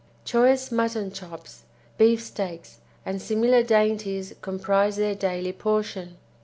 Choice mutton chops, beef steaks and similar dainties comprise their daily portion.